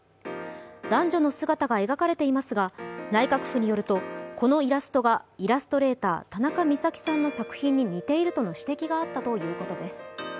男女の姿が描かれていますが内閣府によると、このイラストがイラストレーター、たなかみさきさんの作品に似ているとの指摘があったということです。